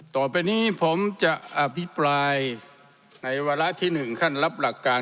ต่อไปนี้ผมจะอภิปรายในวาระที่๑ขั้นรับหลักการ